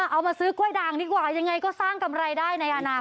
เอามาซื้อกล้วยด่างดีกว่ายังไงก็สร้างกำไรได้ในอนาคต